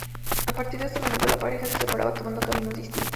A partir de ese momento, la pareja se separa tomando caminos distintos.